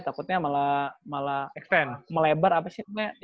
takutnya malah extrend melebar apa sih